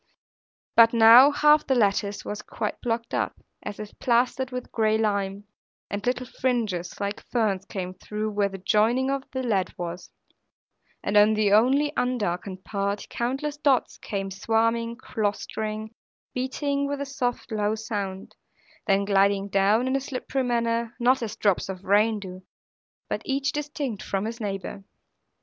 But now, half the lattice was quite blocked up, as if plastered with gray lime; and little fringes, like ferns, came through, where the joining of the lead was; and in the only undarkened part, countless dots came swarming, clustering, beating with a soft, low sound, then gliding down in a slippery manner, not as drops of rain do, but each distinct from his neighbour.